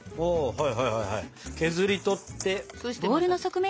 はいはいはいはい削り取って。